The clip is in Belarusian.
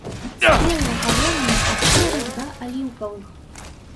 Спелыя калоніі ад шэрых да аліўкавых.